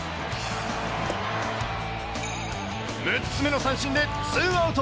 ６つ目の三振でツーアウト。